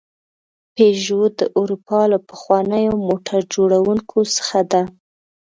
پيژو د اروپا له پخوانیو موټر جوړونکو څخه ده.